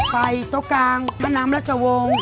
ไปโต๊ะกลางถ้าน้ำรัชวงศ์